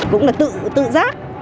cũng là tự giác